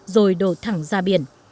rồi đổ thẳng ra biển